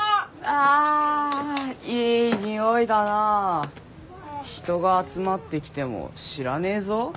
あーいい匂いだなー人が集まってきても知らねえぞ。